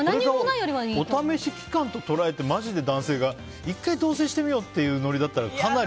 お試し期間と捉えてマジで男性が１回同棲してみよ？ってノリだったらね。